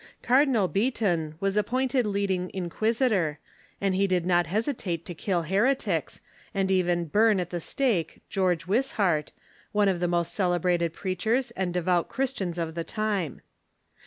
Cardinal Beatoun was appointed leading inquisitor, and he did not hesitate to kill heretics, and to even burn at tlie stake George AVishart, one of the most celebrated preachers and devout Christians of the time.